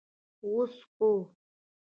اوس خو.